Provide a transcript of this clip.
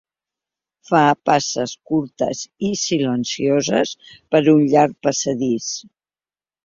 Fa passes curtes i silencioses per un llarg passadís.